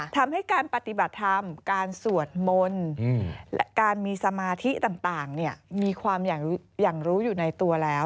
ทำให้การปฏิบัติธรรมการสวดมนต์การมีสมาธิต่างมีความอย่างรู้อยู่ในตัวแล้ว